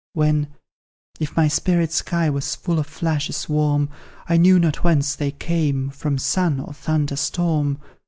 When, if my spirit's sky was full of flashes warm, I knew not whence they came, from sun or thunder storm.